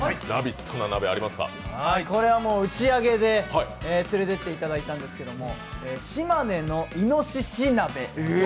これは打ち上げで連れて行っていただいたんですけれども、島根のいのしし鍋。